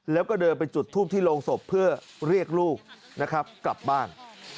แล้วก็เดินไปจุดทูปที่โรงศพเพื่อเรียกลูกนะครับกลับบ้าน